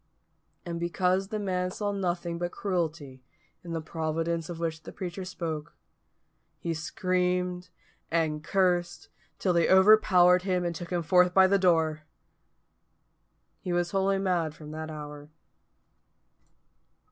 And because the man saw nothing but cruelty in the Providence of which the preacher spoke, he screamed and cursed, till they overpowered him and took him forth by the door. He was wholly mad from that hour.